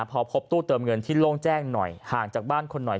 พอพบตู้เติมเงินที่โล่งแจ้งหน่อยห่างจากบ้านคนหน่อย